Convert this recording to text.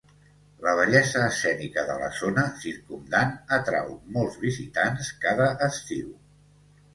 La bellesa escènica de la zona circumdant atrau molts visitants cada estiu.